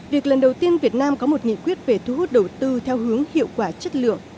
việc lần đầu tiên việt nam có một nghị quyết về thu hút đầu tư theo hướng hiệu quả chất lượng